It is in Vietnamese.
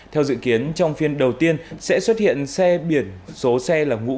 theo dự kiến trong phiên đầu tiên sẽ xuất hiện xe biển số xe là ngũ